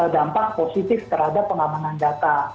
dampak positif terhadap pengamanan data